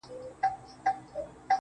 زلفي يې زما پر سر سايه جوړوي.